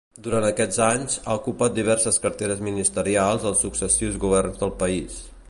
Durant aquests anys, ha ocupat diverses carteres ministerials als successius governs del país.